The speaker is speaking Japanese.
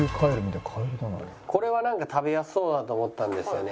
これはなんか食べやすそうだと思ったんですよね。